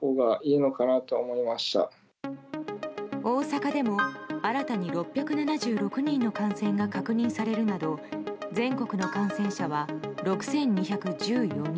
大阪でも新たに６７６人の感染が確認されるなど全国の感染者は６２１４人。